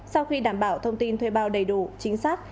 sau khi đảm bảo thông tin thuê bao đầy đủ chính xác